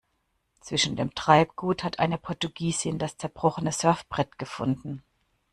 Zwischen dem Treibgut hat eine Portugiesin das zerbrochene Surfbrett gefunden.